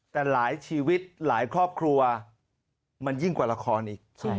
แต่หลายชีวิตหลายครอบครัวมันยิ่งกว่าละครอีก